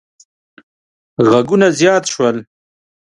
غږونه زیات شول.